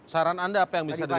saran anda apa yang bisa dilakukan